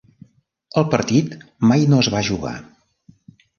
El partit mai no es va jugar.